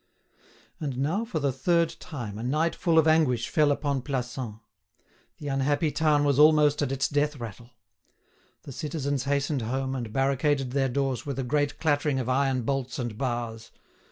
And now for the third time a night full of anguish fell upon Plassans. The unhappy town was almost at its death rattle. The citizens hastened home and barricaded their doors with a great clattering of iron bolts and bars.